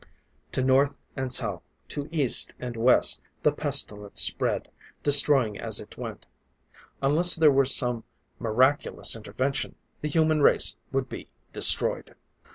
To North and South, to East and West, the pestilence spread, destroying as it went. Unless there were some miraculous intervention, the human race would be destroyed!